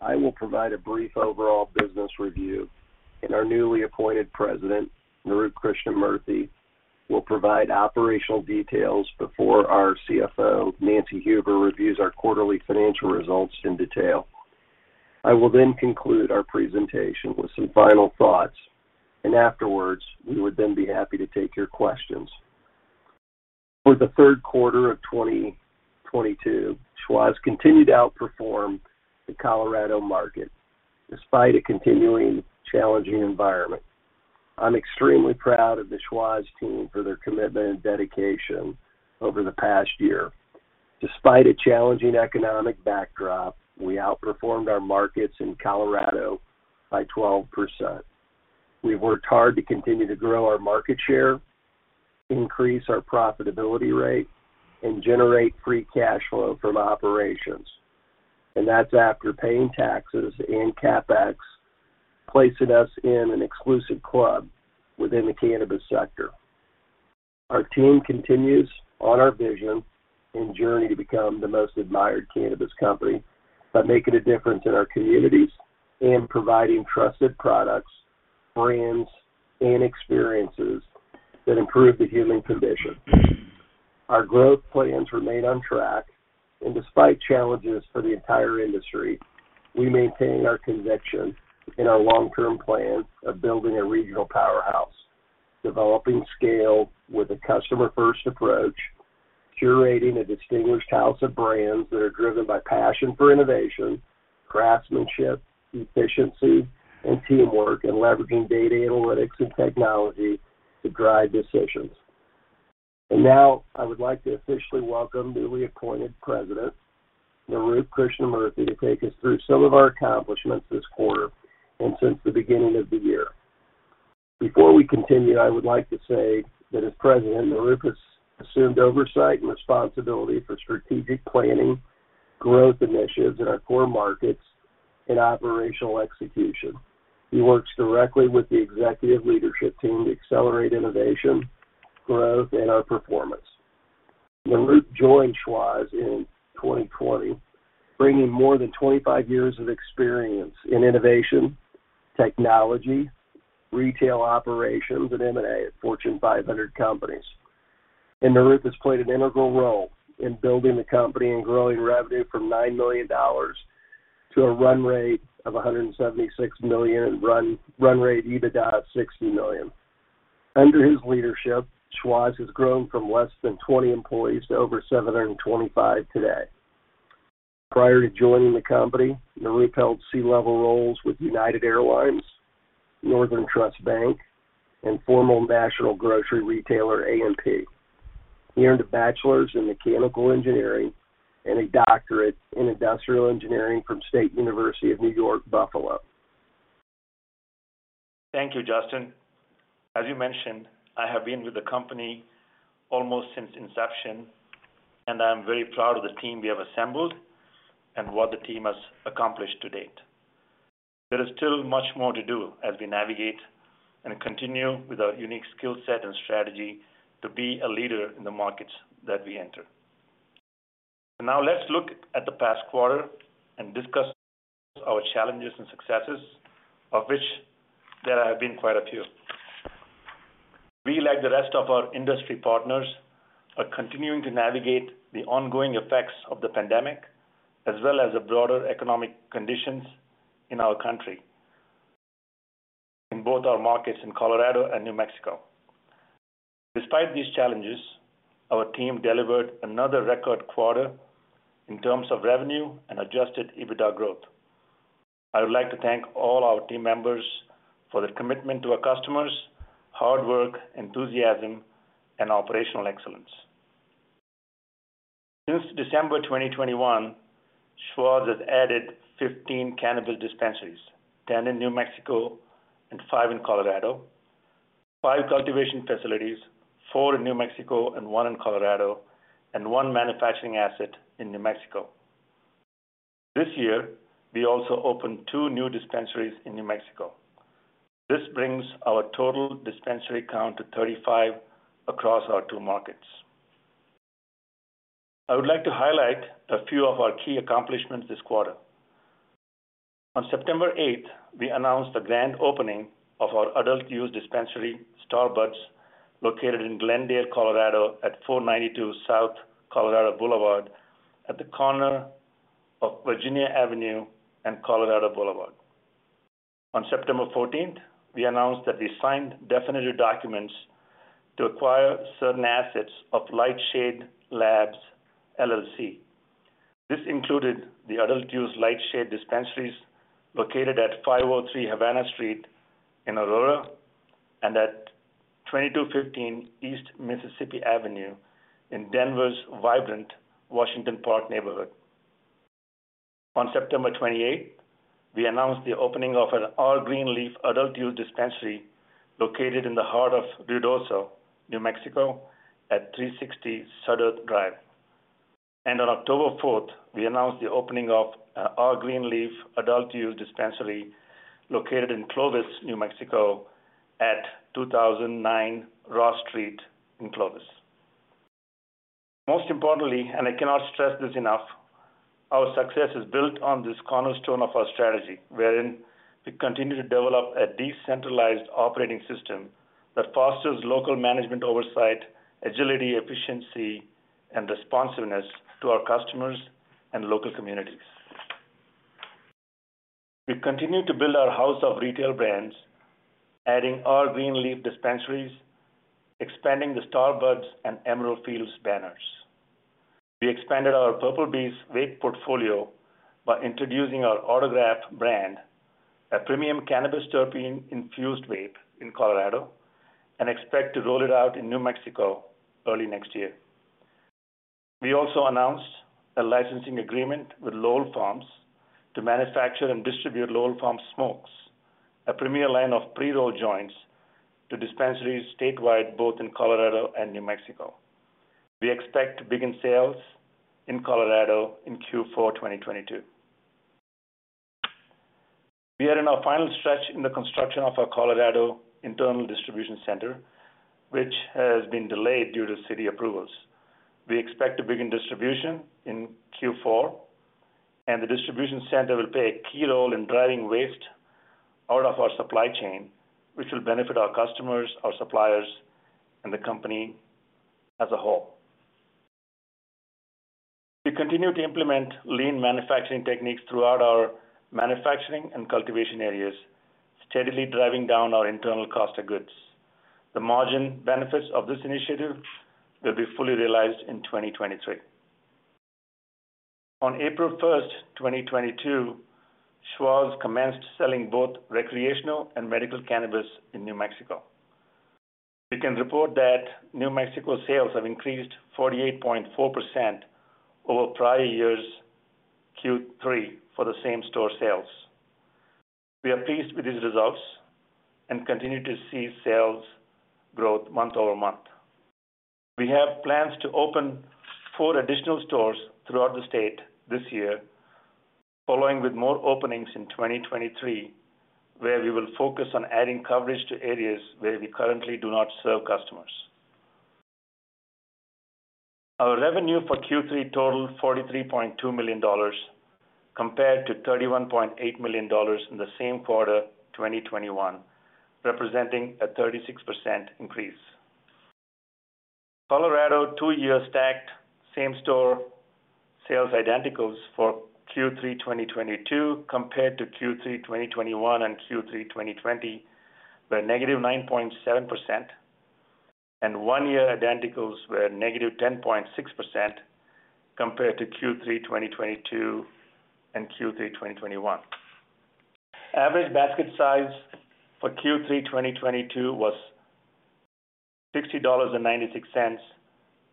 I will provide a brief overall business review, and our newly appointed President, Nirup Krishnamurthy, will provide operational details before our CFO, Nancy Huber, reviews our quarterly financial results in detail. I will then conclude our presentation with some final thoughts, and afterwards, we would then be happy to take your questions. For the third quarter of 2022, Schwazze continued to outperform the Colorado market despite a continuing challenging environment. I'm extremely proud of the Schwazze team for their commitment and dedication over the past year. Despite a challenging economic backdrop, we outperformed our markets in Colorado by 12%. We worked hard to continue to grow our market share, increase our profitability rate, and generate free cash flow from operations, and that's after paying taxes and CapEx, placing us in an exclusive club within the cannabis sector. Our team continues on our vision and journey to become the most admired cannabis company by making a difference in our communities and providing trusted products, brands, and experiences that improve the human condition. Our growth plans remain on track, and despite challenges for the entire industry, we maintain our conviction in our long-term plan of building a regional powerhouse, developing scale with a customer-first approach, curating a distinguished house of brands that are driven by passion for innovation, craftsmanship, efficiency, and teamwork, and leveraging data analytics and technology to drive decisions. Now, I would like to officially welcome newly appointed President, Nirup Krishnamurthy, to take us through some of our accomplishments this quarter and since the beginning of the year. Before we continue, I would like to say that as president, Nirup has assumed oversight and responsibility for strategic planning, growth initiatives in our core markets, and operational execution. He works directly with the executive leadership team to accelerate innovation, growth, and our performance. Nirup joined Schwazze in 2020, bringing more than 25 years of experience in innovation, technology, retail operations, and M&A at Fortune 500 companies. Nirup has played an integral role in building the company and growing revenue from $9 million to a run rate of $176 million, run rate EBITDA of $60 million. Under his leadership, Schwazze has grown from less than 20 employees to over 725 today. Prior to joining the company, Nirup held C-level roles with United Airlines, Northern Trust, and former national grocery retailer, A&P. He earned a Bachelor's in Mechanical Engineering and a Doctorate in Industrial Engineering from State University of New York at Buffalo. Thank you, Justin. As you mentioned, I have been with the company almost since inception, and I am very proud of the team we have assembled and what the team has accomplished to date. There is still much more to do as we navigate and continue with our unique skill set and strategy to be a leader in the markets that we enter. Now let's look at the past quarter and discuss our challenges and successes, of which there have been quite a few. We, like the rest of our industry partners, are continuing to navigate the ongoing effects of the pandemic as well as the broader economic conditions in our country in both our markets in Colorado and New Mexico. Despite these challenges, our team delivered another record quarter in terms of revenue and Adjusted EBITDA growth. I would like to thank all our team members for their commitment to our customers, hard work, enthusiasm, and operational excellence. Since December 2021, Schwazze has added 15 cannabis dispensaries, 10 in New Mexico and five in Colorado, five cultivation facilities, four in New Mexico and one in Colorado, and one manufacturing asset in New Mexico. This year, we also opened two new dispensaries in New Mexico. This brings our total dispensary count to 35 across our two markets. I would like to highlight a few of our key accomplishments this quarter. On September 8, we announced the grand opening of our adult use dispensary, Star Buds, located in Glendale, Colorado at 492 South Colorado Boulevard at the corner of Virginia Avenue and Colorado Boulevard. On September 14th, we announced that we signed definitive documents to acquire certain assets of Lightshade Labs LLC. This included the adult-use Lightshade dispensaries located at 503 Havana Street in Aurora and at 2,215 East Mississippi Avenue in Denver's vibrant Washington Park neighborhood. On September 28, we announced the opening of an R.Greenleaf adult-use dispensary located in the heart of Ruidoso, New Mexico at 360 Sudderth Drive. On October 4th, we announced the opening of R.Greenleaf adult-use dispensary located in Clovis, New Mexico at 2009 Ross Street in Clovis. Most importantly, and I cannot stress this enough, our success is built on this cornerstone of our strategy, wherein we continue to develop a decentralized operating system that fosters local management oversight, agility, efficiency, and responsiveness to our customers and local communities. We've continued to build our house of retail brands, adding R.Greenleaf dispensaries, expanding the Star Buds and Emerald Fields banners. We expanded our Purplebee's vape portfolio by introducing our Autograph brand, a premium cannabis terpene-infused vape in Colorado, and expect to roll it out in New Mexico early next year. We also announced a licensing agreement with Lowell Farms to manufacture and distribute Lowell Farm Smokes, a premier line of pre-rolled joints to dispensaries statewide, both in Colorado and New Mexico. We expect to begin sales in Colorado in Q4 2022. We are in our final stretch in the construction of our Colorado internal distribution center, which has been delayed due to city approvals. We expect to begin distribution in Q4, and the distribution center will play a key role in driving waste out of our supply chain, which will benefit our customers, our suppliers, and the company as a whole. We continue to implement lean manufacturing techniques throughout our manufacturing and cultivation areas, steadily driving down our internal cost of goods. The margin benefits of this initiative will be fully realized in 2023. On April 1st, 2022, Schwazze commenced selling both recreational and medical cannabis in New Mexico. We can report that New Mexico sales have increased 48.4% over prior year's Q3 for the same-store sales. We are pleased with these results and continue to see sales growth month-over-month. We have plans to open four additional stores throughout the state this year, following with more openings in 2023, where we will focus on adding coverage to areas where we currently do not serve customers. Our revenue for Q3 totaled $43.2 million compared to $31.8 million in the same quarter, 2021, representing a 36% increase. Colorado two-year stacked same-store sales identical for Q3 2022 compared to Q3 2021 and Q3 2020 were -9.7%, and one-year identicals were -10.6% compared to Q3 2022 and Q3 2021. Average basket size for Q3 2022 was $60.96,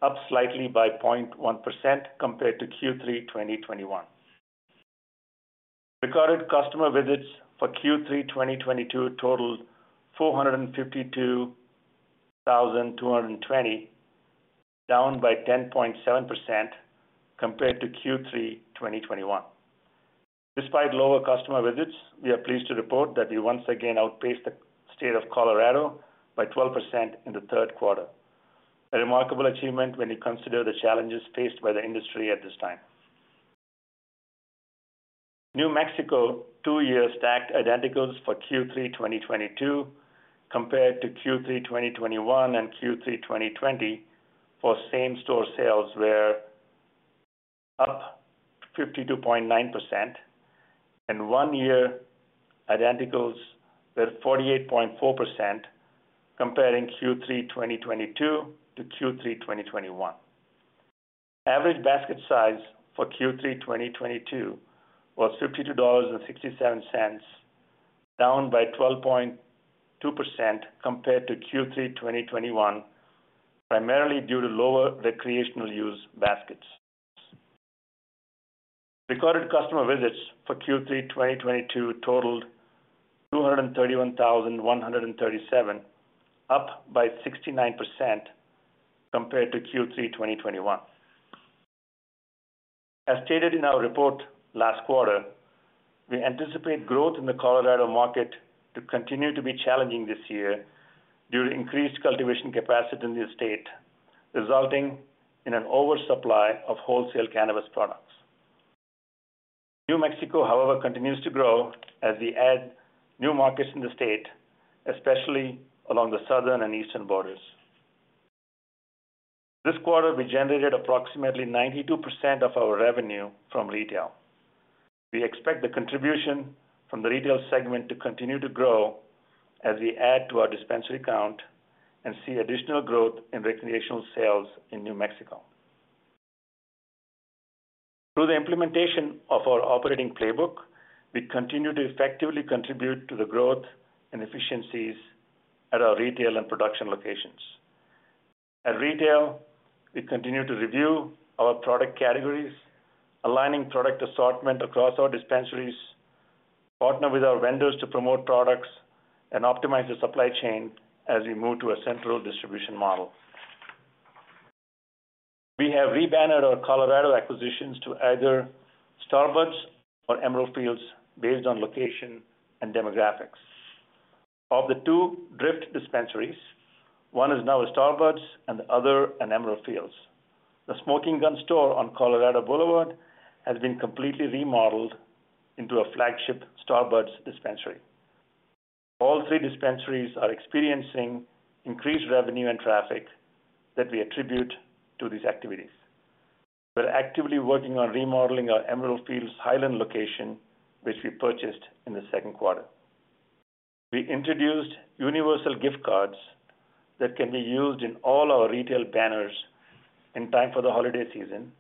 up slightly by 0.1% compared to Q3 2021. Recorded customer visits for Q3 2022 totaled 452,220, down by 10.7% compared to Q3 2021. Despite lower customer visits, we are pleased to report that we once again outpaced the state of Colorado by 12% in the third quarter. A remarkable achievement when you consider the challenges faced by the industry at this time. New Mexico two-year stacked identicals for Q3 2022 compared to Q3 2021 and Q3 2020 for same-store sales were up 52.9%, and one-year identicals were 48.4%, comparing Q3 2022 to Q3 2021. Average basket size for Q3 2022 was $52.67, down by 12.2% compared to Q3 2021, primarily due to lower recreational use baskets. Recorded customer visits for Q3 2022 totaled 231,137, up by 69% compared to Q3 2021. As stated in our report last quarter, we anticipate growth in the Colorado market to continue to be challenging this year due to increased cultivation capacity in the state, resulting in an oversupply of wholesale cannabis products. New Mexico, however, continues to grow as we add new markets in the state, especially along the southern and eastern borders. This quarter, we generated approximately 92% of our revenue from retail. We expect the contribution from the retail segment to continue to grow as we add to our dispensary count and see additional growth in recreational sales in New Mexico. Through the implementation of our operating playbook, we continue to effectively contribute to the growth and efficiencies at our retail and production locations. At retail, we continue to review our product categories, aligning product assortment across our dispensaries, partner with our vendors to promote products, and optimize the supply chain as we move to a central distribution model. We have rebannered our Colorado acquisitions to either Star Buds or Emerald Fields based on location and demographics. Of the two Drift dispensaries, one is now a Star Buds and the other an Emerald Fields. The Smoking Gun store on Colorado Boulevard has been completely remodeled into a flagship Star Buds dispensary. All three dispensaries are experiencing increased revenue and traffic that we attribute to these activities. We're actively working on remodeling our Emerald Fields Highland location, which we purchased in the second quarter. We introduced universal gift cards that can be used in all our retail banners in time for the holiday season,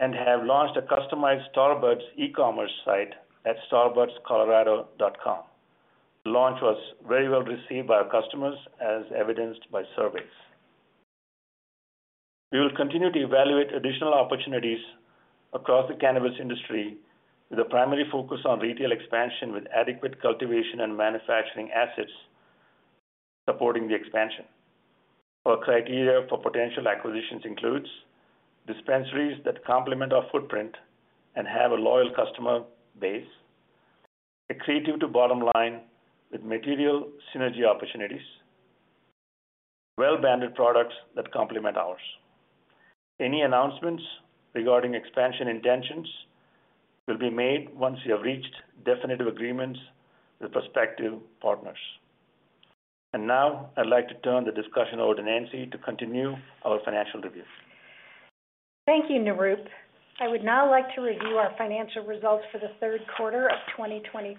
and have launched a customized Star Buds ecommerce site at starbudscolorado.com. The launch was very well received by our customers, as evidenced by surveys. We will continue to evaluate additional opportunities across the cannabis industry, with a primary focus on retail expansion with adequate cultivation and manufacturing assets supporting the expansion. Our criteria for potential acquisitions includes dispensaries that complement our footprint and have a loyal customer base, accretive to bottom line with material synergy opportunities, well-branded products that complement ours. Any announcements regarding expansion intentions will be made once we have reached definitive agreements with prospective partners. Now I'd like to turn the discussion over to Nancy to continue our financial review. Thank you, Nirup. I would now like to review our financial results for the third quarter of 2022.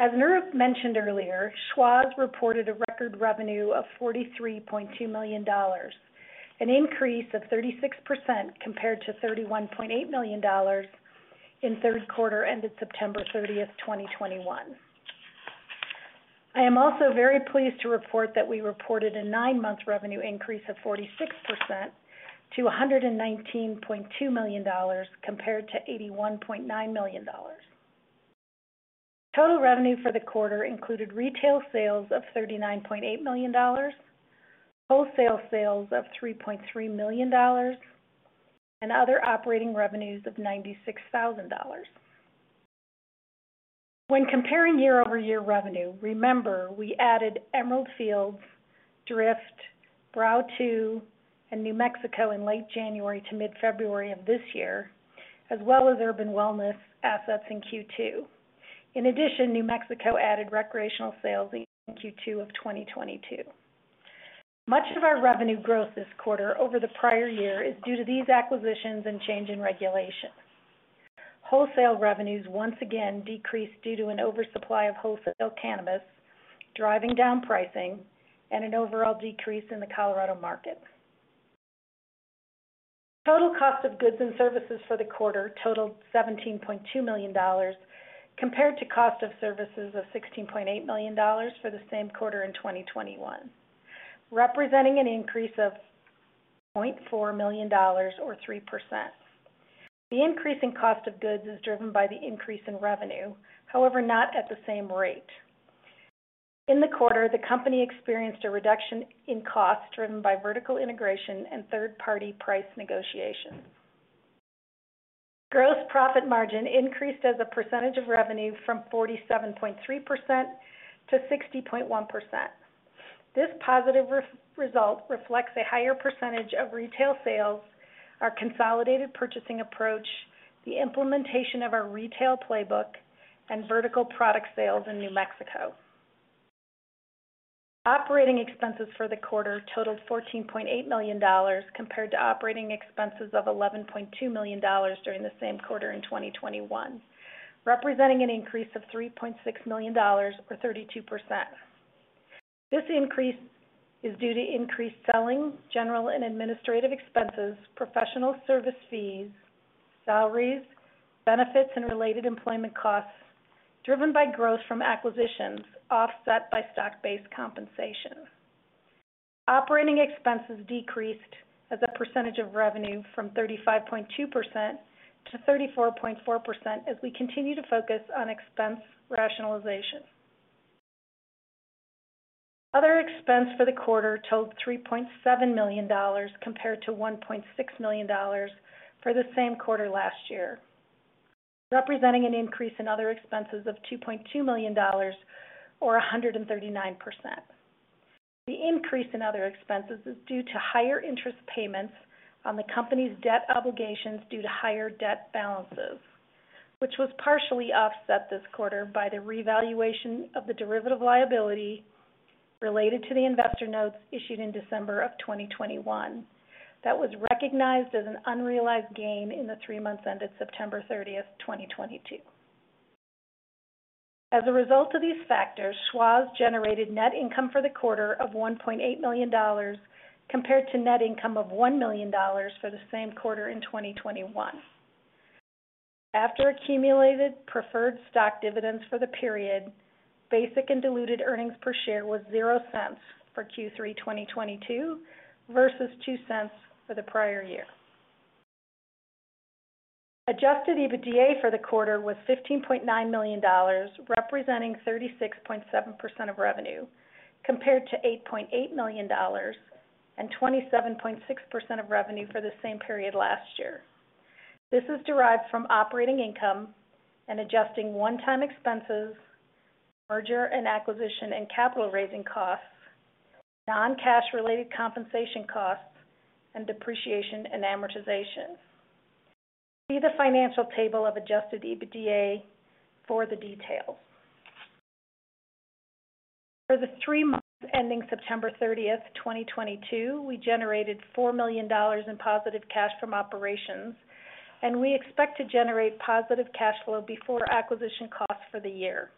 As Nirup mentioned earlier, Schwazze reported a record revenue of $43.2 million, an increase of 36% compared to $31.8 million in third quarter ended September 30th, 2021. I am also very pleased to report that we reported a nine-month revenue increase of 46% to $119.2 million compared to $81.9 million. Total revenue for the quarter included retail sales of $39.8 million, wholesale sales of $3.3 million, and other operating revenues of $96,000. When comparing year-over-year revenue, remember, we added Emerald Fields, Drift, Brow 2, and New Mexico in late January to mid-February of this year, as well as Urban Wellness assets in Q2. In addition, New Mexico added recreational sales in Q2 of 2022. Much of our revenue growth this quarter over the prior year is due to these acquisitions and change in regulations. Wholesale revenues once again decreased due to an oversupply of wholesale cannabis, driving down pricing and an overall decrease in the Colorado market. Total cost of goods and services for the quarter totaled $17.2 million, compared to cost of services of $16.8 million for the same quarter in 2021, representing an increase of $0.4 million or 3%. The increase in cost of goods is driven by the increase in revenue, however, not at the same rate. In the quarter, the company experienced a reduction in costs driven by vertical integration and third-party price negotiations. Gross profit margin increased as a percentage of revenue from 47.3% to 60.1%. This positive result reflects a higher percentage of retail sales, our consolidated purchasing approach, the implementation of our retail playbook, and vertical product sales in New Mexico. Operating expenses for the quarter totaled $14.8 million compared to operating expenses of $11.2 million during the same quarter in 2021, representing an increase of $3.6 million or 32%. This increase is due to increased selling, general and administrative expenses, professional service fees, salaries, benefits, and related employment costs driven by growth from acquisitions offset by stock-based compensation. Operating expenses decreased as a percentage of revenue from 35.2% to 34.4% as we continue to focus on expense rationalization. Other expense for the quarter totaled $3.7 million compared to $1.6 million for the same quarter last year, representing an increase in other expenses of $2.2 million or 139%. The increase in other expenses is due to higher interest payments on the company's debt obligations due to higher debt balances, which was partially offset this quarter by the revaluation of the derivative liability related to the investor notes issued in December 2021. That was recognized as an unrealized gain in the three months ended September 30th, 2022. As a result of these factors, Schwazze generated net income for the quarter of $1.8 million compared to net income of $1 million for the same quarter in 2021. After accumulated preferred stock dividends for the period, basic and diluted earnings per share was $0.00 for Q3 2022 versus $0.02 for the prior year. Adjusted EBITDA for the quarter was $15.9 million, representing 36.7% of revenue compared to $8.8 million and 27.6% of revenue for the same period last year. This is derived from operating income and adjusting one-time expenses, merger and acquisition and capital raising costs, non-cash related compensation costs, and depreciation and amortization. See the financial table of Adjusted EBITDA for the details. For the three months ending September 30th, 2022, we generated $4 million in positive cash from operations, and we expect to generate positive cash flow before acquisition costs for the year.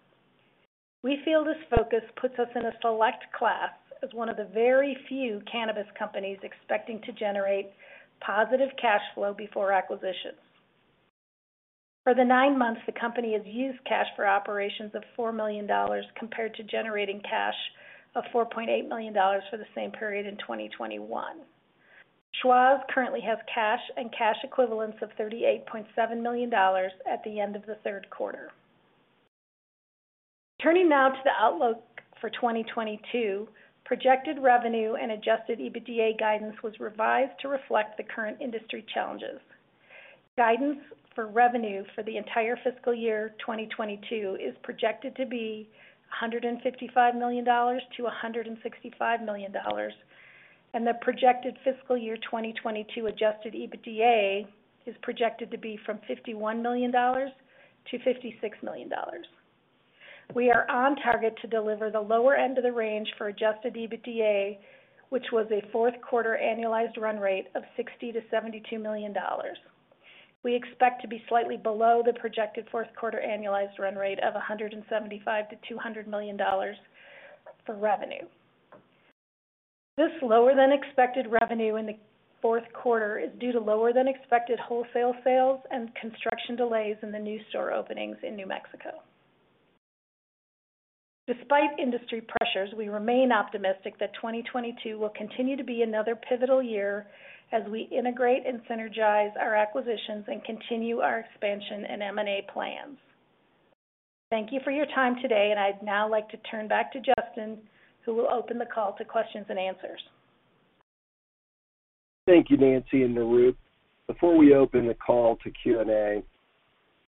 We feel this focus puts us in a select class as one of the very few cannabis companies expecting to generate positive cash flow before acquisitions. For the nine months, the company has used cash for operations of $4 million compared to generating cash of $48 million for the same period in 2021. Schwazze currently has cash and cash equivalents of $38.7 million at the end of the third quarter. Turning now to the outlook for 2022, projected revenue and Adjusted EBITDA guidance was revised to reflect the current industry challenges. Guidance for revenue for the entire fiscal year 2022 is projected to be $155 million-$165 million, and the projected fiscal year 2022 Adjusted EBITDA is projected to be from $51 million-$56 million. We are on target to deliver the lower end of the range for Adjusted EBITDA, which was a fourth quarter annualized run rate of $60 million-$72 million. We expect to be slightly below the projected fourth quarter annualized run rate of $175 million-$200 million for revenue. This lower-than-expected revenue in the fourth quarter is due to lower-than-expected wholesale sales and construction delays in the new store openings in New Mexico. Despite industry pressures, we remain optimistic that 2022 will continue to be another pivotal year as we integrate and synergize our acquisitions and continue our expansion and M&A plans. Thank you for your time today, and I'd now like to turn back to Justin, who will open the call to questions and answers. Thank you, Nancy and Nirup. Before we open the call to Q&A,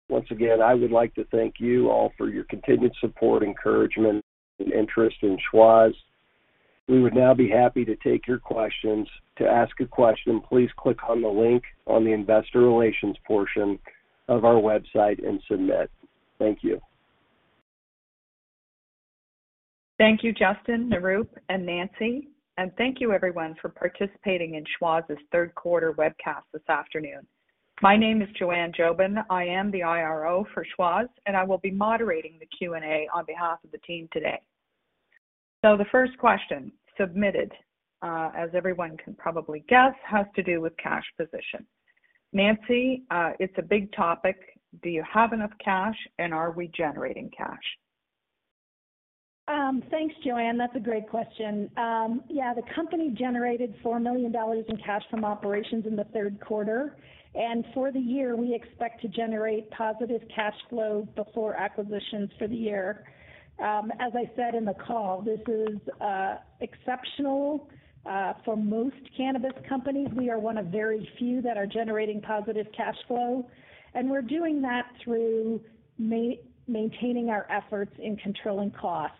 once again, I would like to thank you all for your continued support, encouragement, and interest in Schwazze. We would now be happy to take your questions. To ask a question, please click on the link on the Investor Relations portion of our website and submit. Thank you. Thank you, Justin, Nirup, and Nancy. Thank you everyone for participating in Schwazze's third-quarter webcast this afternoon. My name is Joanne Jobin. I am the IRO for Schwazze, and I will be moderating the Q&A on behalf of the team today. The first question submitted, as everyone can probably guess, has to do with cash position. Nancy, it's a big topic. Do you have enough cash, and are we generating cash? Thanks, Joanne. That's a great question. Yeah, the company generated $4 million in cash from operations in the third quarter. For the year, we expect to generate positive cash flow before acquisitions for the year. As I said in the call, this is exceptional for most cannabis companies. We are one of very few that are generating positive cash flow, and we're doing that through maintaining our efforts in controlling costs.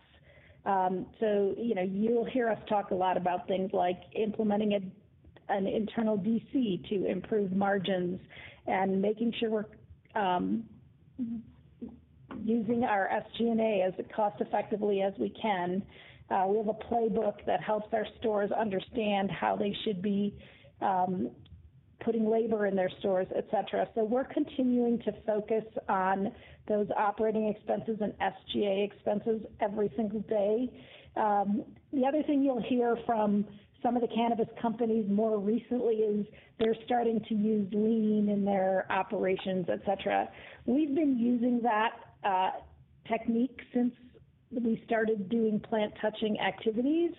You know, you'll hear us talk a lot about things like implementing an internal DC to improve margins and making sure we're using our SG&A as cost-effectively as we can. We have a playbook that helps our stores understand how they should be putting labor in their stores, et cetera. We're continuing to focus on those operating expenses and SG&A expenses every single day. The other thing you'll hear from some of the cannabis companies more recently is they're starting to use lean in their operations, et cetera. We've been using that technique since we started doing plant-touching activities.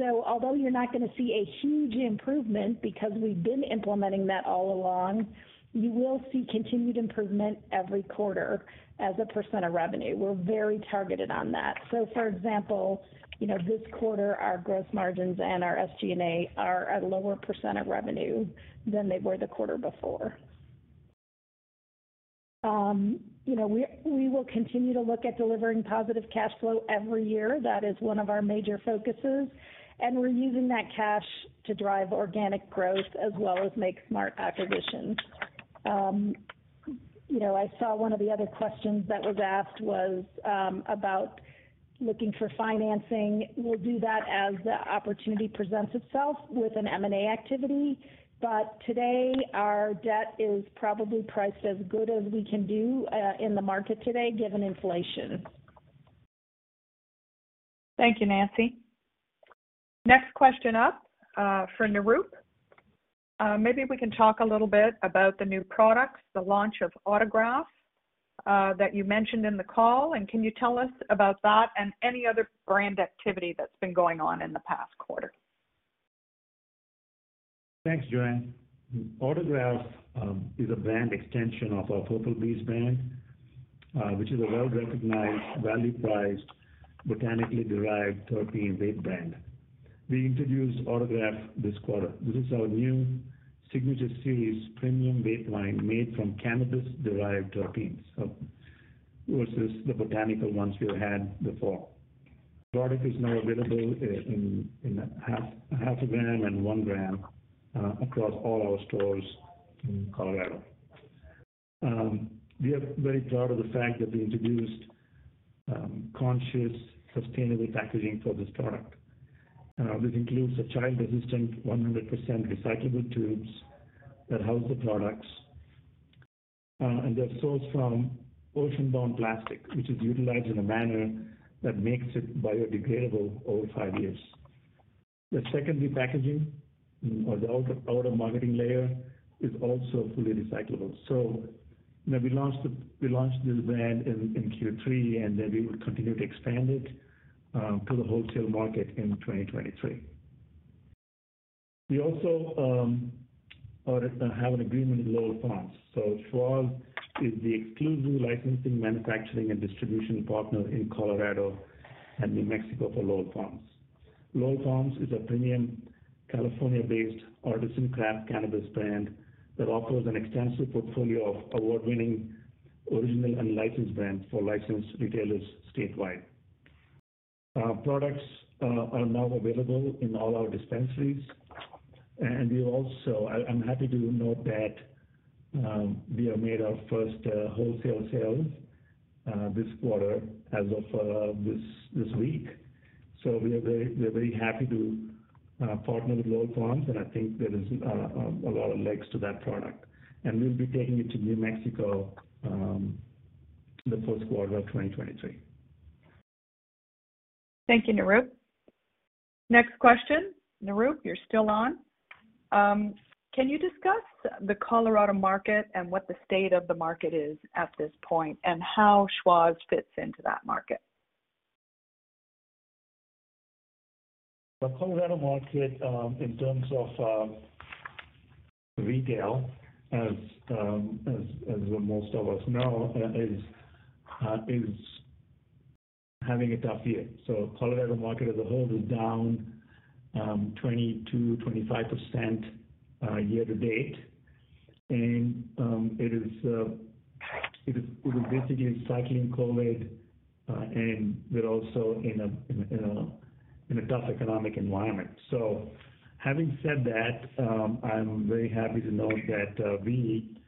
Although you're not gonna see a huge improvement because we've been implementing that all along, you will see continued improvement every quarter as a percent of revenue. We're very targeted on that. For example, you know, this quarter, our gross margins and our SG&A are a lower percentage of revenue than they were the quarter before. We will continue to look at delivering positive cash flow every year. That is one of our major focuses, and we're using that cash to drive organic growth as well as make smart acquisitions. You know, I saw one of the other questions that was asked was about looking for financing. We'll do that as the opportunity presents itself with an M&A activity. Today, our debt is probably priced as good as we can do in the market today, given inflation. Thank you, Nancy. Next question up, for Nirup. Maybe we can talk a little bit about the new products, the launch of Autograph, that you mentioned in the call, and can you tell us about that and any other brand activity that's been going on in the past quarter? Thanks, Joanne. Autograph is a brand extension of our Purplebee's brand, which is a well-recognized value-price, botanically derived terpene vape brand. We introduced Autograph this quarter. This is our new signature series premium vape line made from cannabis-derived terpenes, so versus the botanical ones we had before. The product is now available in a 0.5 g and 1 g across all our stores in Colorado. We are very proud of the fact that we introduced conscious sustainable packaging for this product. This includes the child-resistant 100% recyclable tubes that house the products, and they're sourced from ocean-bound plastic, which is utilized in a manner that makes it biodegradable over five years. The secondary packaging or the outer marketing layer is also fully recyclable. You know, we launched this brand in Q3, and then we will continue to expand it to the wholesale market in 2023. We also have an agreement with Lowell Farms. Schwazze is the exclusive licensing, manufacturing and distribution partner in Colorado and New Mexico for Lowell Farms. Lowell Farms is a premium California-based artisan craft cannabis brand that offers an extensive portfolio of award-winning original and licensed brands for licensed retailers statewide. Our products are now available in all our dispensaries. I'm happy to note that we have made our first wholesale sales this quarter as of this week. We're very happy to partner with Lowell Farms, and I think there is a lot of legs to that product. We'll be taking it to New Mexico in the first quarter of 2023. Thank you, Nirup. Next question. Nirup, you're still on. Can you discuss the Colorado market and what the state of the market is at this point, and how Schwazze fits into that market? The Colorado market, in terms of retail, as most of us know, is having a tough year. Colorado market as a whole is down 20%-25% year to date. It is basically cycling COVID, and we're also in a tough economic environment. Having said that, I'm very happy to note that we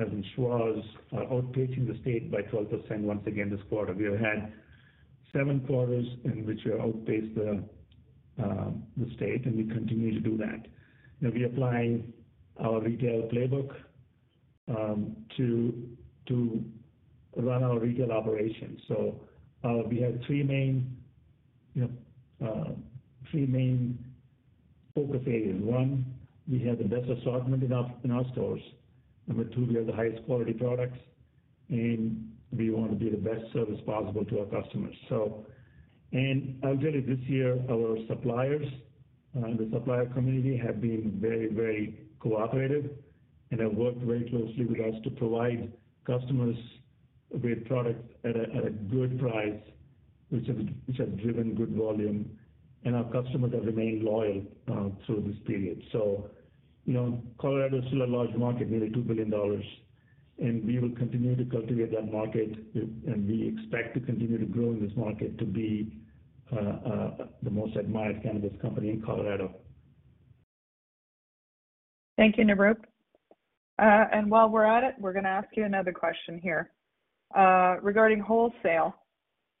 as in Schwazze are outpacing the state by 12% once again this quarter. We have had seven quarters in which we outpaced the state, and we continue to do that. You know, we apply our retail playbook to run our retail operations. We have three main, you know, focus areas. One, we have the best assortment in our stores. Number two, we have the highest quality products, and we want to give the best service possible to our customers. I'll tell you this year, our suppliers and the supplier community have been very, very cooperative and have worked very closely with us to provide customers with products at a good price, which have driven good volume, and our customers have remained loyal through this period. You know, Colorado is still a large market, nearly $2 billion, and we will continue to cultivate that market. We expect to continue to grow in this market to be the most admired cannabis company in Colorado. Thank you, Nirup. While we're at it, we're gonna ask you another question here. Regarding wholesale,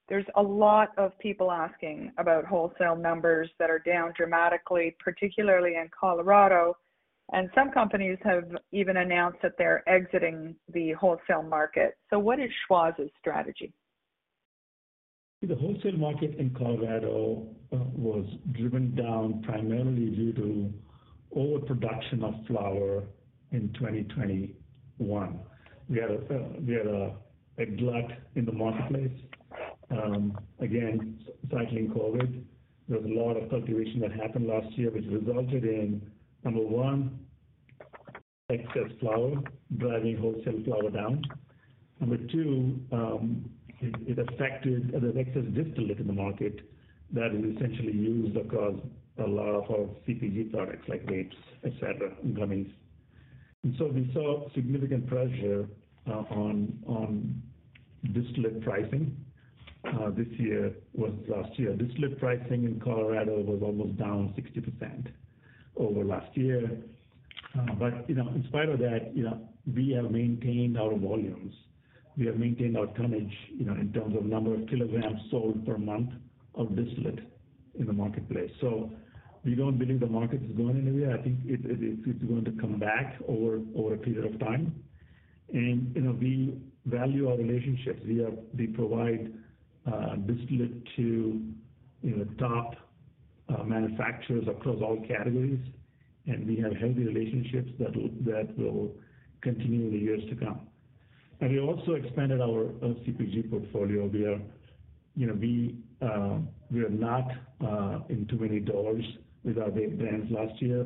there's a lot of people asking about wholesale numbers that are down dramatically, particularly in Colorado, and some companies have even announced that they're exiting the wholesale market. What is Schwazze's strategy? The wholesale market in Colorado was driven down primarily due to overproduction of flower in 2021. We had a glut in the marketplace. Again, cycling COVID, there was a lot of cultivation that happened last year, which resulted in number one, excess flower driving wholesale flower down. Number two, it affected the excess distillate in the market that is essentially used across a lot of our CPG products like vapes, etc., and gummies. We saw significant pressure on distillate pricing last year. Distillate pricing in Colorado was almost down 60% over last year. You know, in spite of that, you know, we have maintained our volumes. We have maintained our tonnage, you know, in terms of number of kilograms sold per month of distillate in the marketplace. We don't believe the market is going anywhere. I think it is it's going to come back over a period of time. You know, we value our relationships. We provide distillate to, you know, top manufacturers across all categories, and we have healthy relationships that will continue in the years to come. We also expanded our CPG portfolio. You know, we are not in too many doors with our vape brands last year.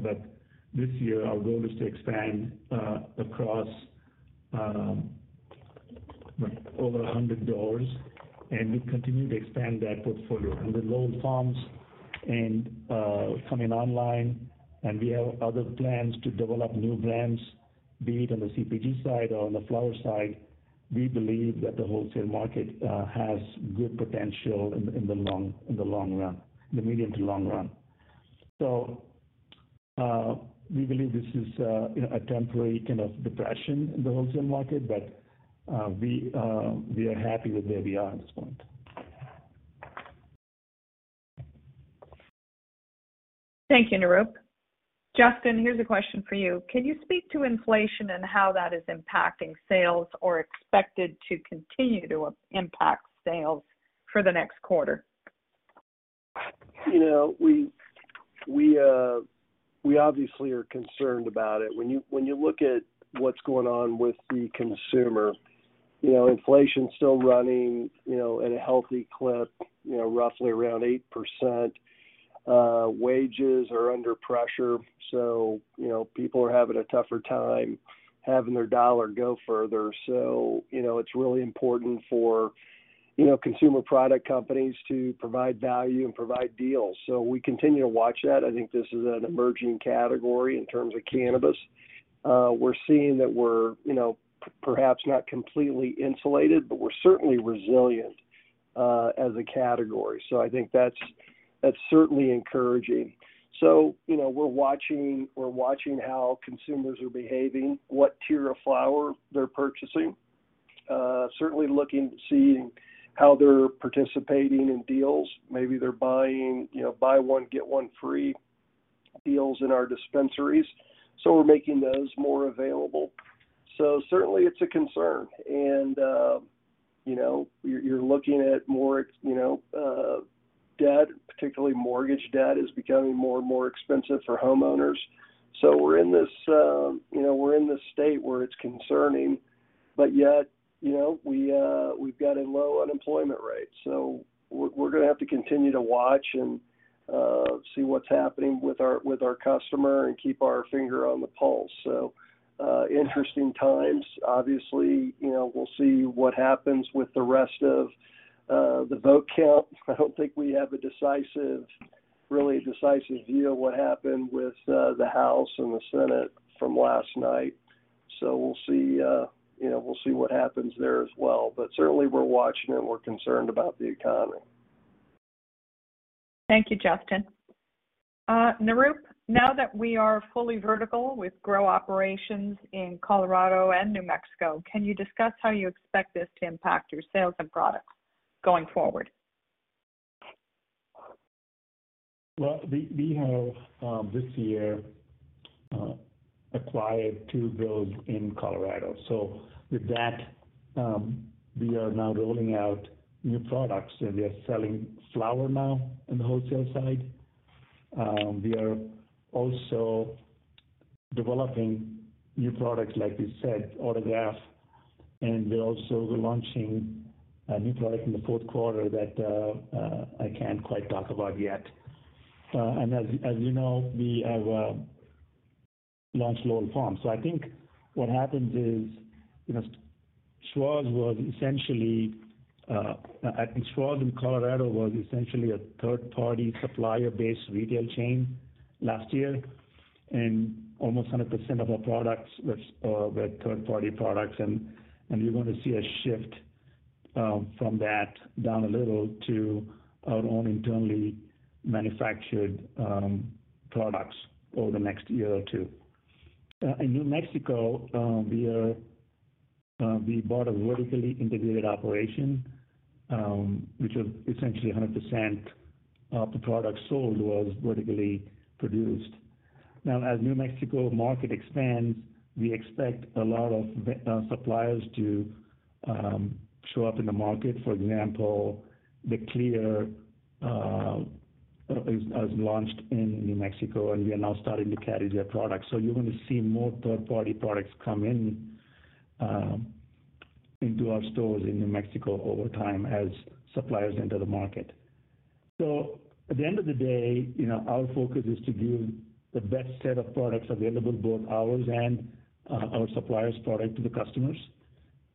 This year our goal is to expand across over 100 doors and we continue to expand that portfolio. With Lowell Farms coming online, and we have other plans to develop new brands, be it on the CPG side or on the flower side. We believe that the wholesale market has good potential in the long run, the medium to long run. We believe this is, you know, a temporary kind of depression in the wholesale market, but we are happy with where we are at this point. Thank you, Nirup. Justin, here's a question for you. Can you speak to inflation and how that is impacting sales or expected to continue to impact sales for the next quarter? You know, we obviously are concerned about it. When you look at what's going on with the consumer, you know, inflation's still running, you know, at a healthy clip, you know, roughly around 8%. Wages are under pressure, so, you know, people are having a tougher time having their dollar go further. You know, it's really important for, you know, consumer product companies to provide value and provide deals. We continue to watch that. I think this is an emerging category in terms of cannabis. We're seeing that we're, you know, perhaps not completely insulated, but we're certainly resilient, as a category. I think that's certainly encouraging. You know, we're watching how consumers are behaving, what tier of flower they're purchasing. Certainly looking, seeing how they're participating in deals. Maybe they're buying, you know, buy one, get one free deals in our dispensaries, so we're making those more available. Certainly it's a concern. You know, you're looking at more, you know, debt, particularly mortgage debt is becoming more and more expensive for homeowners. We're in this, you know, we're in this state where it's concerning, but yet, you know, we've got a low unemployment rate. We're gonna have to continue to watch and see what's happening with our customer and keep our finger on the pulse. Interesting times. Obviously, you know, we'll see what happens with the rest of the vote count. I don't think we have a decisive, really decisive view of what happened with the House and the Senate from last night. We'll see, you know, we'll see what happens there as well. Certainly we're watching and we're concerned about the economy. Thank you, Justin. Nirup, now that we are fully vertical with grow operations in Colorado and New Mexico, can you discuss how you expect this to impact your sales and products going forward? Well, we have this year acquired two grows in Colorado. With that, we are now rolling out new products, and we are selling flower now in the wholesale side. We are also developing new products like we said, Autograph, and we are also launching a new product in the fourth quarter that I can't quite talk about yet. As you know, we have launched Lowell Farms. I think what happens is, you know, Schwazze was essentially, I think Schwazze in Colorado was essentially a third-party supplier-based retail chain last year. Almost 100% of our products were third-party products. You're going to see a shift from that down a little to our own internally manufactured products over the next year or two. In New Mexico, we bought a vertically integrated operation, which is essentially 100% of the product sold was vertically produced. Now, as New Mexico market expands, we expect a lot of suppliers to show up in the market. For example, The Clear has launched in New Mexico, and we are now starting to carry their products. You're gonna see more third-party products come in into our stores in New Mexico over time as suppliers enter the market. At the end of the day, you know, our focus is to give the best set of products available, both ours and our suppliers' product to the customers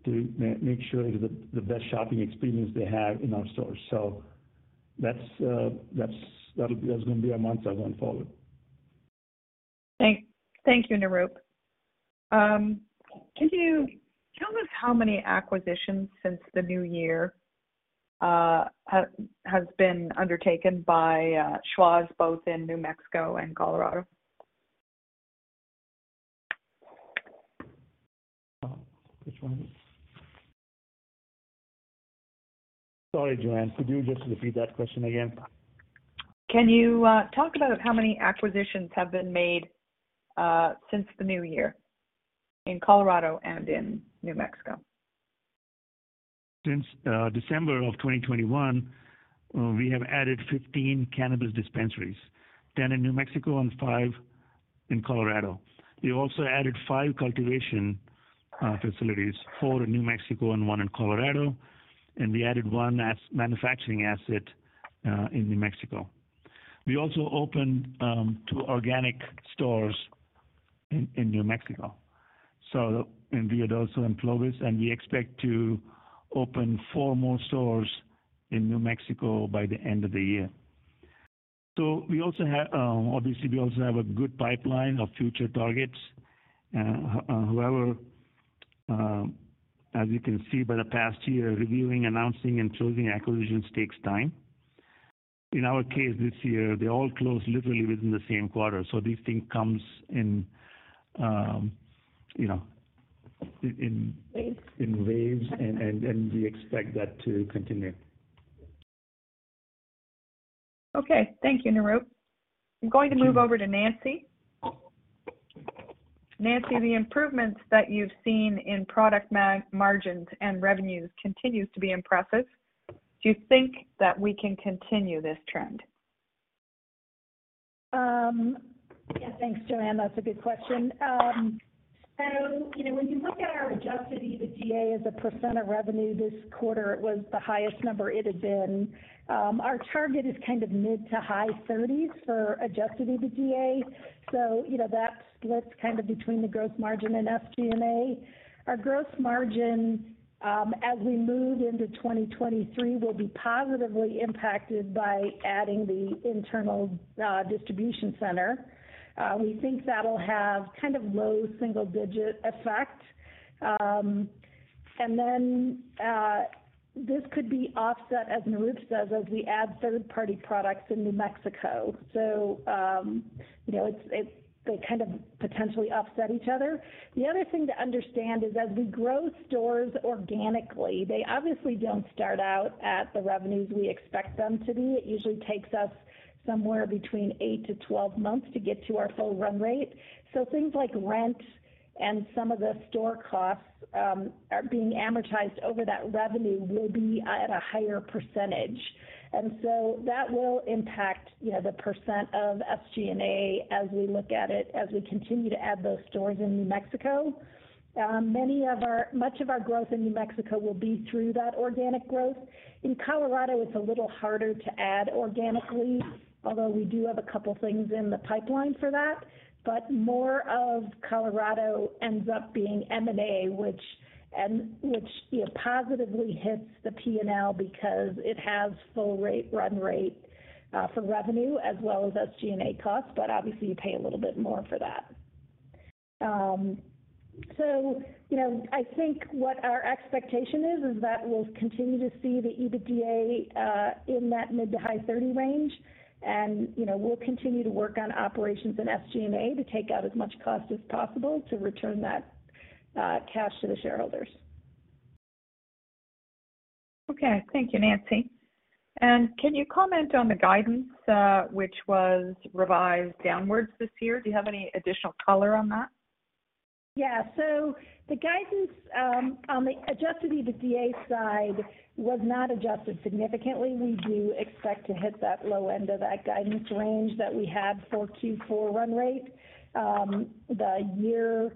to make sure the best shopping experience they have in our stores. That's gonna be our mantra going forward. Thank you, Nirup. Can you tell us how many acquisitions since the new year has been undertaken by Schwazze, both in New Mexico and Colorado? Which one? Sorry, Joanne, could you just repeat that question again? Can you talk about how many acquisitions have been made since the new year in Colorado and in New Mexico? Since December of 2021, we have added 15 cannabis dispensaries, 10 in New Mexico and five in Colorado. We also added five cultivation facilities, four in New Mexico and one in Colorado, and we added one manufacturing asset in New Mexico. We also opened two organic stores in New Mexico, in Ruidoso and Clovis, and we expect to open four more stores in New Mexico by the end of the year. We also have a good pipeline of future targets. However, as you can see by the past year, reviewing, announcing, and closing acquisitions takes time. In our case, this year, they all closed literally within the same quarter, so these things come in, you know, in. Waves In waves, and we expect that to continue. Okay. Thank you, Nirup. I'm going to move over to Nancy. Nancy, the improvements that you've seen in product margins and revenues continues to be impressive. Do you think that we can continue this trend? Yeah, thanks, Joanne. That's a good question. You know, when you look at our Adjusted EBITDA as a percent of revenue this quarter, it was the highest number it had been. Our target is kind of mid- to high-30s for Adjusted EBITDA, so you know, that splits kind of between the gross margin and SG&A. Our gross margin, as we move into 2023, will be positively impacted by adding the internal distribution center. We think that'll have kind of low-single-digit effect. This could be offset, as Nirup says, as we add third-party products in New Mexico. You know, it's they kind of potentially offset each other. The other thing to understand is, as we grow stores organically, they obviously don't start out at the revenues we expect them to be. It usually takes us somewhere between eight to 12 months to get to our full run rate. Things like rent and some of the store costs are being amortized over that. Revenue will be at a higher percentage. That will impact, you know, the percent of SG&A as we look at it as we continue to add those stores in New Mexico. Much of our growth in New Mexico will be through that organic growth. In Colorado, it's a little harder to add organically, although we do have a couple things in the pipeline for that. More of Colorado ends up being M&A, which, you know, positively hits the P&L because it has full run rate for revenue as well as SG&A costs, but obviously you pay a little bit more for that. You know, I think what our expectation is that we'll continue to see the EBITDA in that mid- to high-30 range and, you know, we'll continue to work on operations and SG&A to take out as much cost as possible to return that cash to the shareholders. Okay. Thank you, Nancy. Can you comment on the guidance, which was revised downwards this year? Do you have any additional color on that? Yeah. The guidance on the Adjusted EBITDA side was not adjusted significantly. We do expect to hit that low end of that guidance range that we had for Q4 run rate. The year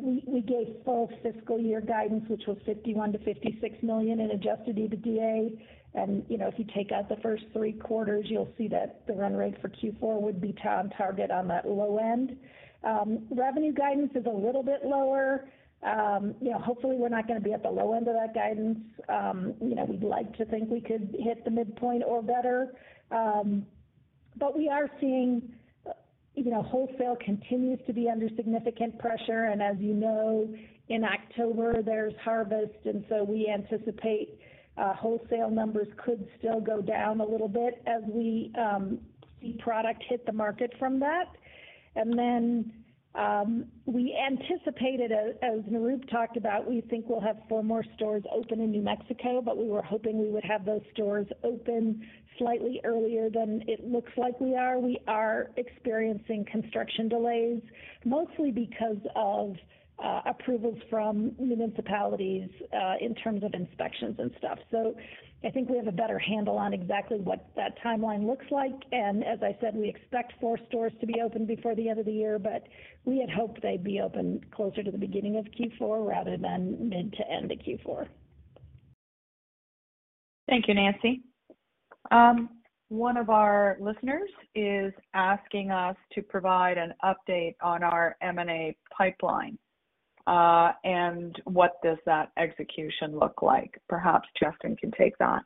we gave full fiscal year guidance, which was $51 million-$56 million in Adjusted EBITDA. You know, if you take out the first three quarters, you'll see that the run rate for Q4 would be on target on that low end. Revenue guidance is a little bit lower. You know, hopefully we're not gonna be at the low end of that guidance. You know, we'd like to think we could hit the midpoint or better. We are seeing, you know, wholesale continues to be under significant pressure, and as you know, in October there's harvest, and so we anticipate wholesale numbers could still go down a little bit as we see product hit the market from that. We anticipated, as Nirup talked about, we think we'll have four more stores open in New Mexico, but we were hoping we would have those stores open slightly earlier than it looks like we are. We are experiencing construction delays mostly because of approvals from municipalities in terms of inspections and stuff. I think we have a better handle on exactly what that timeline looks like. As I said, we expect four stores to be open before the end of the year, but we had hoped they'd be open closer to the beginning of Q4 rather than mid to end of Q4. Thank you, Nancy. One of our listeners is asking us to provide an update on our M&A pipeline. What does that execution look like? Perhaps Justin can take that.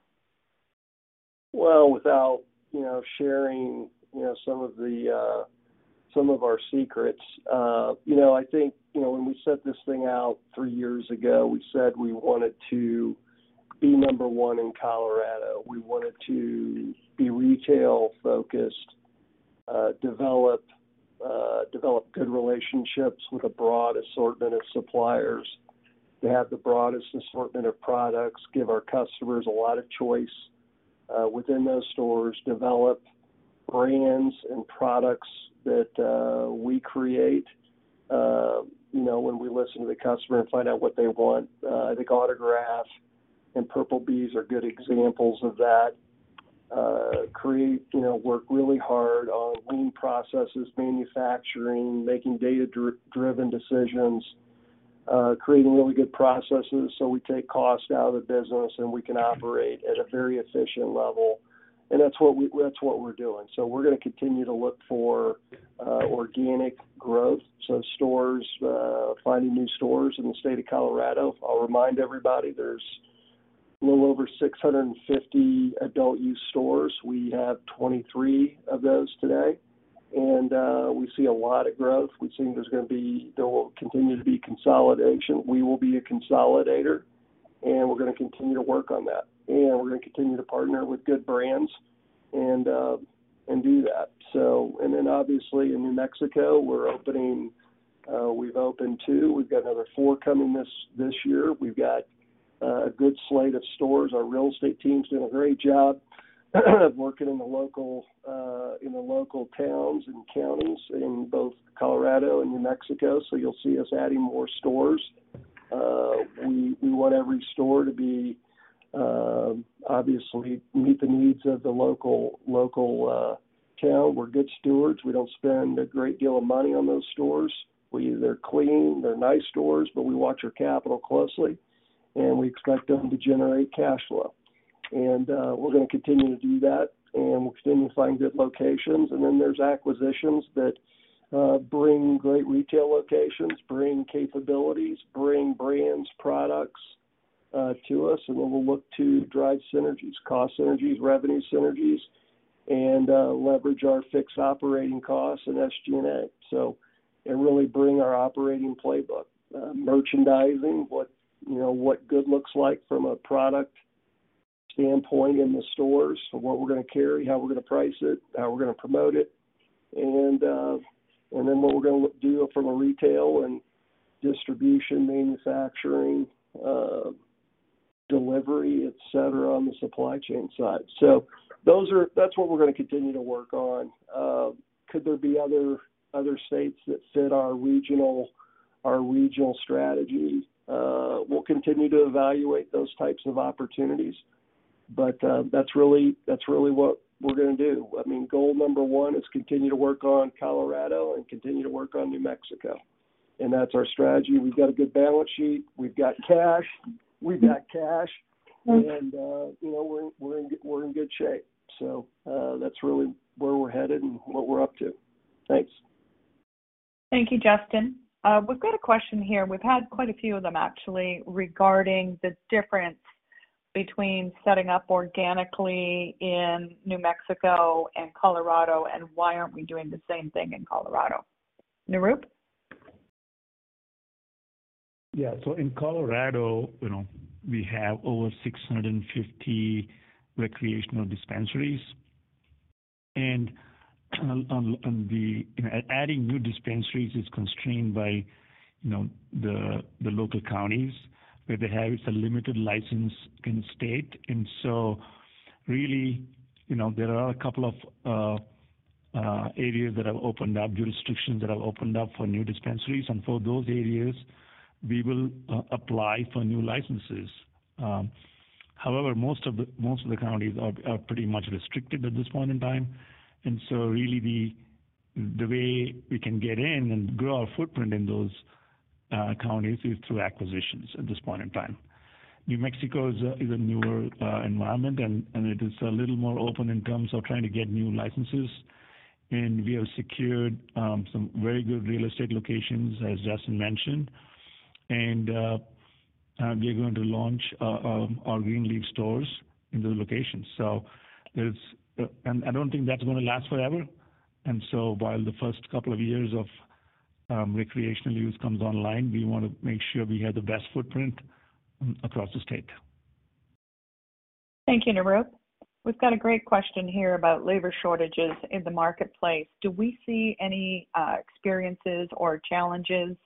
Well, without, you know, sharing, you know, some of our secrets, you know, I think, you know, when we set this thing out three years ago, we said we wanted to be number one in Colorado. We wanted to be retail-focused, develop good relationships with a broad assortment of suppliers, to have the broadest assortment of products, give our customers a lot of choice within those stores, develop brands and products that we create, you know, when we listen to the customer and find out what they want. I think Autograph and Purplebee's are good examples of that. You know, work really hard on lean processes, manufacturing, making data-driven decisions, creating really good processes so we take cost out of the business and we can operate at a very efficient level. That's what we're doing. We're gonna continue to look for organic growth. Stores, finding new stores in the state of Colorado. I'll remind everybody, there's a little over 650 adult-use stores. We have 23 of those today, and we see a lot of growth. We think there will continue to be consolidation. We will be a consolidator, and we're gonna continue to work on that. We're gonna continue to partner with good brands and do that. Then obviously in New Mexico, we're opening, we've opened two. We've got another four coming this year. We've got a good slate of stores. Our real estate team's doing a great job, working in the local towns and counties in both Colorado and New Mexico. You'll see us adding more stores. We want every store to obviously meet the needs of the local town. We're good stewards. We don't spend a great deal of money on those stores. They're nice stores, but we watch our capital closely, and we expect them to generate cash flow. We're gonna continue to do that, and we'll continue to find good locations. There's acquisitions that bring great retail locations, bring capabilities, bring brands, products to us, and then we'll look to drive synergies, cost synergies, revenue synergies, and leverage our fixed operating costs and SG&A. Really bring our operating playbook. Merchandising, what, you know, what good looks like from a product standpoint in the stores. What we're gonna carry, how we're gonna price it, how we're gonna promote it, and then what we're gonna do from a retail and distribution, manufacturing, delivery, et cetera, on the supply chain side. Those are, that's what we're gonna continue to work on. Could there be other states that fit our regional strategy? We'll continue to evaluate those types of opportunities, but that's really what we're gonna do. I mean, goal number one is continue to work on Colorado and continue to work on New Mexico. That's our strategy. We've got a good balance sheet. We've got cash. You know, we're in good shape. That's really where we're headed and what we're up to. Thanks. Thank you, Justin. We've got a question here. We've had quite a few of them actually, regarding the difference between setting up organically in New Mexico and Colorado, and why aren't we doing the same thing in Colorado? Nirup? Yeah. In Colorado, you know, we have over 650 recreational dispensaries. On the, you know, adding new dispensaries is constrained by, you know, the local counties, where they have some limited license in state. Really, you know, there are a couple of areas that have opened up, jurisdictions that have opened up for new dispensaries. For those areas, we will apply for new licenses. However, most of the counties are pretty much restricted at this point in time. Really the way we can get in and grow our footprint in those counties is through acquisitions at this point in time. New Mexico is a newer environment, and it is a little more open in terms of trying to get new licenses. We have secured some very good real estate locations, as Justin mentioned. We're going to launch our R. Greenleaf stores in those locations. I don't think that's gonna last forever. While the first couple of years of recreational use comes online, we wanna make sure we have the best footprint across the state. Thank you, Nirup. We've got a great question here about labor shortages in the marketplace. Do we see any experiences or challenges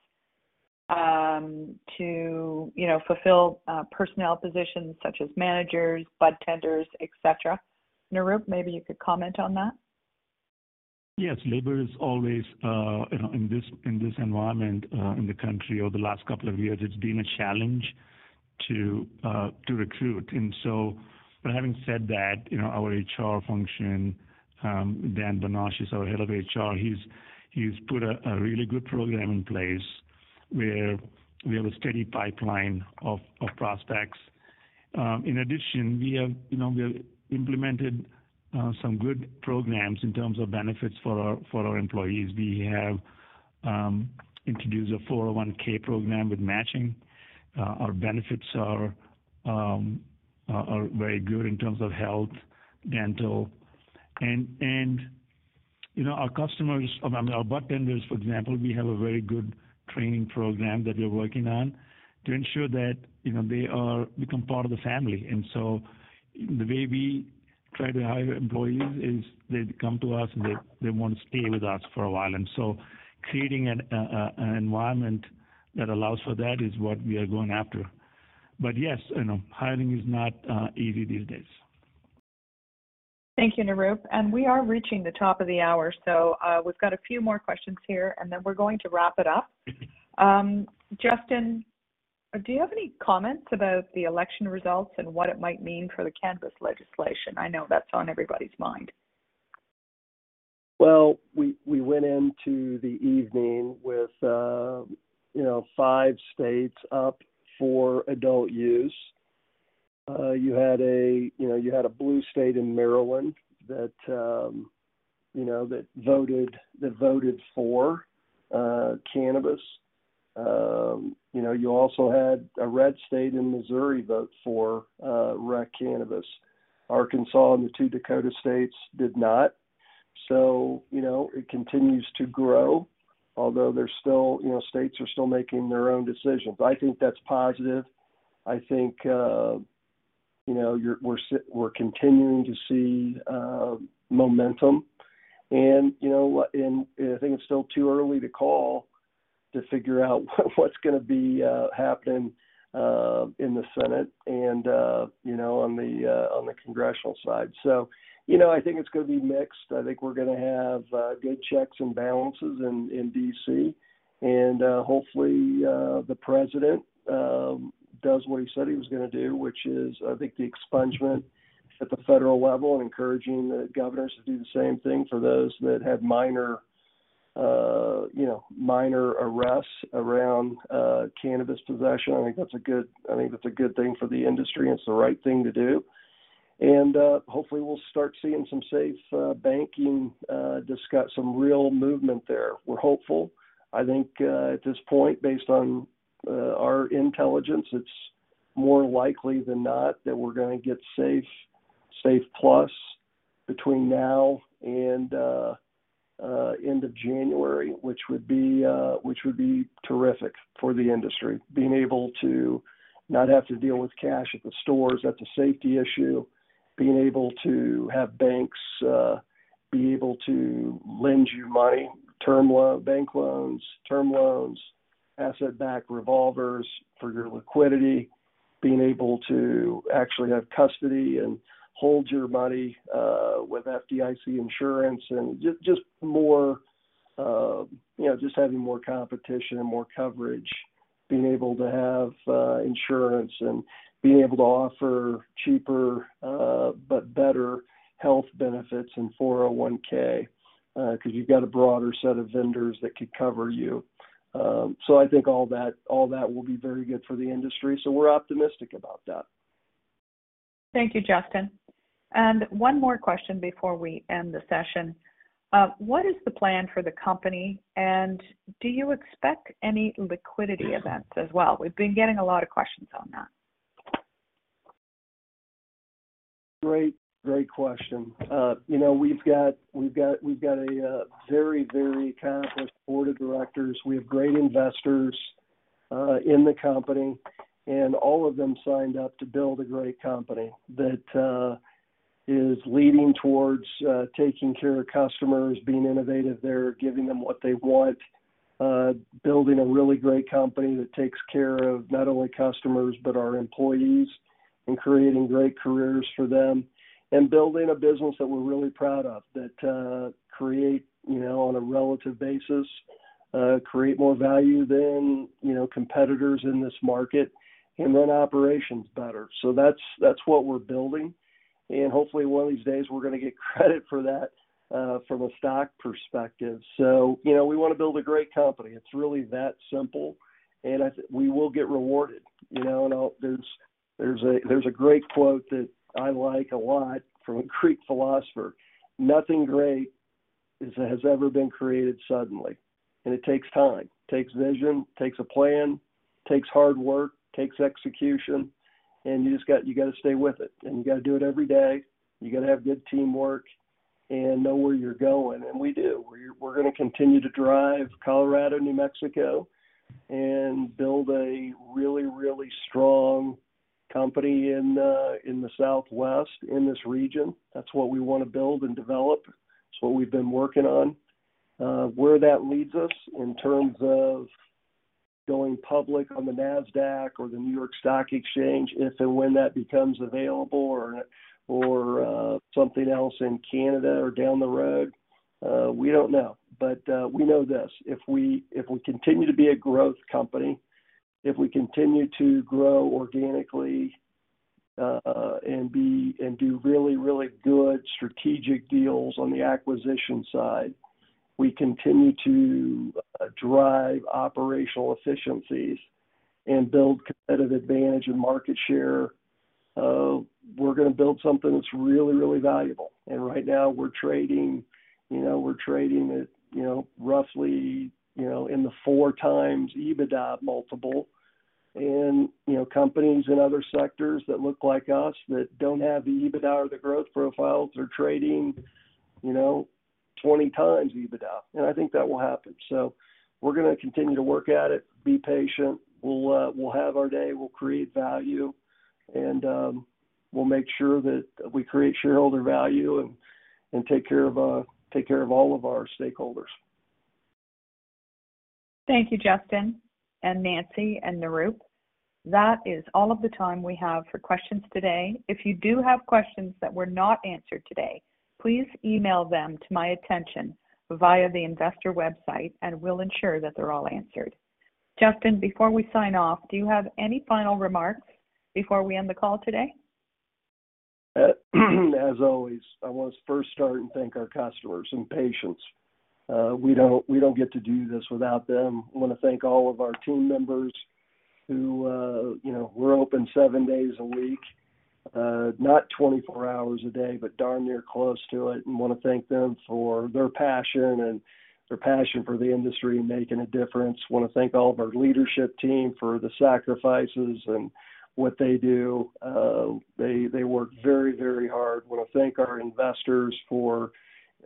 to fulfill personnel positions such as managers, budtenders, et cetera? Nirup, maybe you could comment on that. Yes. Labor is always, you know, in this environment, in the country over the last couple of years, it's been a challenge to recruit. Having said that, you know, our HR function, Dan Bonach is our head of HR. He's put a really good program in place, where we have a steady pipeline of prospects. In addition, we have, you know, implemented some good programs in terms of benefits for our employees. We have introduced a 401(k) program with matching. Our benefits are very good in terms of health, dental. You know, our customers, I mean, our budtenders, for example, we have a very good training program that we're working on to ensure that, you know, they become part of the family. The way we try to hire employees is they come to us, and they want to stay with us for a while. Creating an environment that allows for that is what we are going after. Yes, you know, hiring is not easy these days. Thank you, Nirup. We are reaching the top of the hour, so, we've got a few more questions here, and then we're going to wrap it up. Mm-hmm. Justin, do you have any comments about the election results and what it might mean for the cannabis legislation? I know that's on everybody's mind. We went into the evening with you know, five states up for adult use. You had a you know, blue state in Maryland that voted for cannabis. You know, you also had a red state in Missouri vote for rec cannabis. Arkansas and the two Dakota states did not. You know, it continues to grow, although they're still you know, states are still making their own decisions. I think that's positive. I think you know, we're continuing to see momentum. You know, and I think it's still too early to call to figure out what's gonna be happening in the Senate and you know, on the congressional side. You know, I think it's gonna be mixed. I think we're gonna have good checks and balances in D.C. Hopefully the president does what he said he was gonna do, which is I think the expungement at the federal level and encouraging the governors to do the same thing for those that had minor arrests around cannabis possession. I think that's a good thing for the industry, and it's the right thing to do. Hopefully we'll start seeing some SAFE Banking discussion, some real movement there. We're hopeful. I think at this point, based on our intelligence, it's more likely than not that we're gonna get SAFE Plus between now and end of January, which would be terrific for the industry. Being able to not have to deal with cash at the stores, that's a safety issue. Being able to have banks be able to lend you money, bank loans, term loans, asset-backed revolvers for your liquidity, being able to actually have custody and hold your money with FDIC insurance, and just more competition and more coverage, being able to have insurance and being able to offer cheaper but better health benefits and 401(k), 'cause you've got a broader set of vendors that could cover you. I think all that will be very good for the industry, so we're optimistic about that. Thank you, Justin. One more question before we end the session. What is the plan for the company, and do you expect any liquidity events as well? We've been getting a lot of questions on that. Great question. You know, we've got a very accomplished Board of Directors. We have great investors in the company, and all of them signed up to build a great company that is leading towards taking care of customers, being innovative there, giving them what they want, building a really great company that takes care of not only customers but our employees, and creating great careers for them, and building a business that we're really proud of, that you know, on a relative basis, create more value than you know, competitors in this market, and run operations better. That's what we're building. Hopefully, one of these days we're gonna get credit for that from a stock perspective. You know, we wanna build a great company. It's really that simple, and we will get rewarded. You know, there's a great quote that I like a lot from a Greek philosopher, "Nothing great has ever been created suddenly." It takes time, takes vision, takes a plan, takes hard work, takes execution, and you gotta stay with it, and you gotta do it every day. You gotta have good teamwork and know where you're going, and we do. We're gonna continue to drive Colorado, New Mexico and build a really, really strong company in the Southwest, in this region. That's what we wanna build and develop. It's what we've been working on. Where that leads us in terms of going public on the Nasdaq or the New York Stock Exchange, if and when that becomes available or something else in Canada or down the road, we don't know. We know this, if we continue to be a growth company, if we continue to grow organically and do really, really good strategic deals on the acquisition side, we continue to drive operational efficiencies and build competitive advantage and market share, we're gonna build something that's really, really valuable. Right now we're trading, you know, at, you know, roughly, you know, in the 4x EBITDA multiple. You know, companies in other sectors that look like us that don't have the EBITDA or the growth profiles are trading, you know, 20x EBITDA. I think that will happen. We're gonna continue to work at it, be patient. We'll have our day, we'll create value, and we'll make sure that we create shareholder value and take care of all of our stakeholders. Thank you, Justin and Nancy and Nirup. That is all of the time we have for questions today. If you do have questions that were not answered today, please email them to my attention via the investor website, and we'll ensure that they're all answered. Justin, before we sign off, do you have any final remarks before we end the call today? As always, I want to first start and thank our customers and patients. We don't get to do this without them. I wanna thank all of our team members who, you know, we're open seven days a week. Not 24 hours a day, but darn near close to it, and wanna thank them for their passion for the industry and making a difference. Wanna thank all of our leadership team for the sacrifices and what they do. They work very hard. Wanna thank our investors for,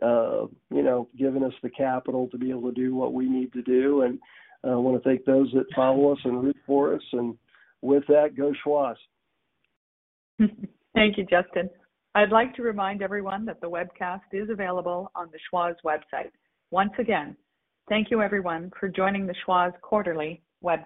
you know, giving us the capital to be able to do what we need to do. Wanna thank those that follow us and root for us. With that, go Schwazze. Thank you, Justin. I'd like to remind everyone that the webcast is available on the Schwazze website. Once again, thank you everyone for joining the Schwazze quarterly webcast.